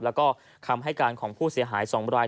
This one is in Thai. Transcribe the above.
แล้วก็คำให้การของผู้เสียหาย๒ราย